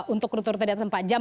untuk rute rute di atas empat jam